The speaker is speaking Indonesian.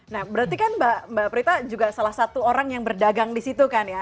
nah berarti kan mbak prita juga salah satu orang yang berdagang di situ kan ya